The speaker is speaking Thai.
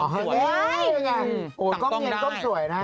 กล้องยังจะเป็นกล้องสวยนะ